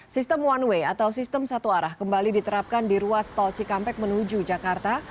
sistem one way atau sistem satu arah kembali diterapkan di ruas tol cikampek menuju jakarta